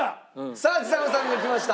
さあちさ子さんがきました！